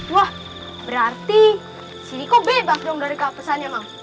wah berarti si riko bebas dong dari kak pesannya emang